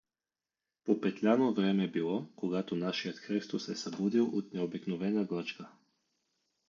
По петляно време било, когато нашият Христо се събудил от необикновена глъчка.